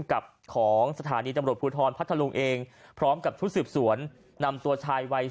กับของสถานีตำรวจภูทรพัทธลุงเองพร้อมกับชุดสืบสวนนำตัวชายวัย